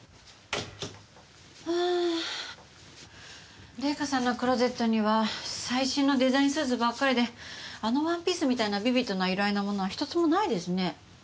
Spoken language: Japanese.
ああ玲香さんのクローゼットには最新のデザインスーツばっかりであのワンピースみたいなビビッドな色合いのものはひとつもないですね。